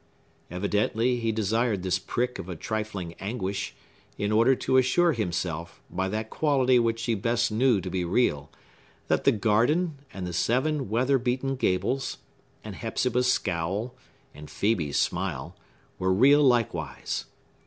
Evidently, he desired this prick of a trifling anguish, in order to assure himself, by that quality which he best knew to be real, that the garden, and the seven weather beaten gables, and Hepzibah's scowl, and Phœbe's smile, were real likewise.